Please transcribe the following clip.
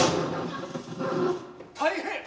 大変！